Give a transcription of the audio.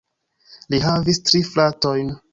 Li havis tri fratojn.